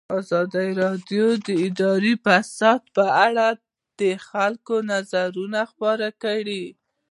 ازادي راډیو د اداري فساد په اړه د خلکو نظرونه خپاره کړي.